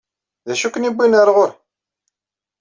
D acu i ken-yewwin ɣer ɣur-i?